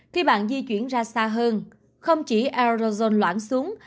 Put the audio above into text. khi bạn di chuyển ra xa hơn không chỉ arozone loãng xuống